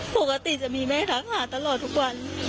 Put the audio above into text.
ปกติจะมีแม่ทักหาตลอดทุกวัน